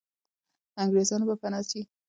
انګریزان به پنا سي.